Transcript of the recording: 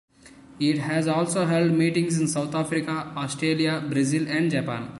It has also held meetings in South Africa, Australia, Brazil, and Japan.